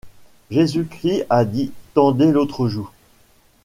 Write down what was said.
Jésus-Christ a dit: Tendez l’autre joue.